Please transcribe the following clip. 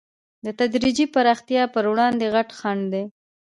د تدریجي پراختیا پر وړاندې غټ خنډ دی.